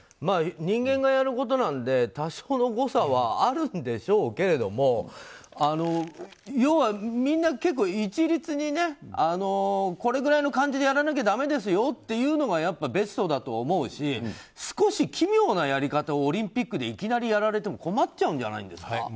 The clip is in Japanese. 人間がやることなんで多少の誤差はあるんでしょうけれども要は、みんな結構一律にこれぐらいの感じでやらなきゃだめですよというのがベストだと思うし少し奇妙なやり方をオリンピックでいきなりやられても困っちゃうんじゃないですか。